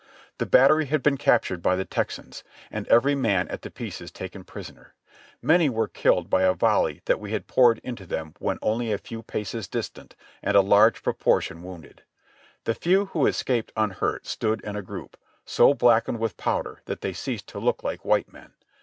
The battery had been captured by the Texans, and every man at the pieces taken prisoner. Many were killed by a volley that we had poured into them when only a few paces distant, and a large proportion wounded. The few who escaped unhurt stood in a group, so blackened with pow der that they ceased to look like white men.